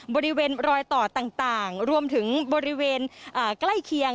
บริเวณรอยต่อต่างรวมถึงบริเวณใกล้เคียง